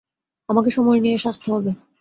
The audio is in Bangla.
আমাকে সময় নিয়ে সাজতে হবে।